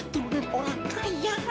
tunduk orang kaya